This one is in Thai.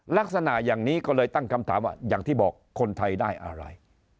ลักษณะอย่างนี้ก็เลยตั้งคำถามว่าอย่างที่บอกคนไทยได้อะไร